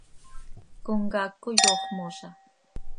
Comcaac coi ox mooza.